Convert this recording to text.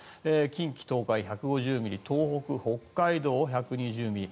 近畿・東海、１５０ミリ東北、北海道、１２０ミリ